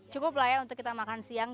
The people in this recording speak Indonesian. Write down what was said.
cukup lah ya untuk kita makan siang